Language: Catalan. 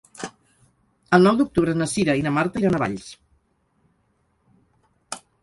El nou d'octubre na Cira i na Marta iran a Valls.